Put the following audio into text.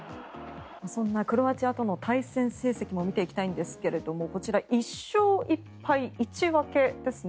そんなクロアチアとの対戦成績も見ていきたいんですがこちら、１勝１敗１分けですね。